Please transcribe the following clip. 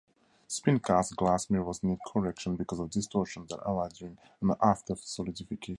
Spin-cast glass mirrors need correction because of distortions that arise during and after solidification.